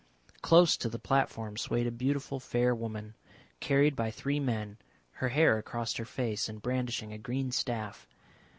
Close to the platform swayed a beautiful fair woman, carried by three men, her hair across her face and brandishing a green staff.